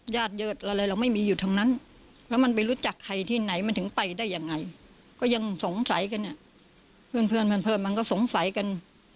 ไปได้ยังไงก็ยังสงสัยกันเนี่ยเพื่อนเพื่อนเพื่อนเพื่อนมันก็สงสัยกัน